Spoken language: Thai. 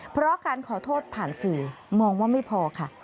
เพราะการขอโทษผ่านสื่อมองว่าไม่พอค่ะ